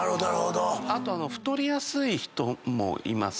あと太りやすい人もいますね。